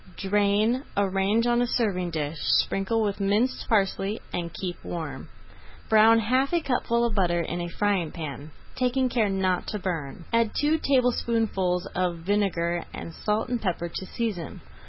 Drain, arrange on a serving dish, sprinkle with minced parsley, and keep warm. Brown half a cupful of butter in a frying pan, taking care not to burn. Add two tablespoonfuls of vinegar and salt and pepper to season.